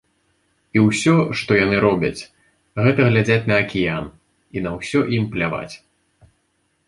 І ўсё, што яны робяць, гэта глядзяць на акіян, і на ўсё ім пляваць.